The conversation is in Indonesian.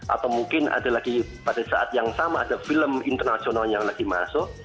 atau mungkin ada lagi pada saat yang sama ada film internasional yang lagi masuk